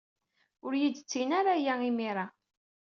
Ur iyi-d-ttini ara aya imir-a.